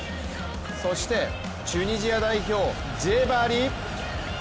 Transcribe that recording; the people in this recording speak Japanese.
そしてチュニジア代表ジェバリ！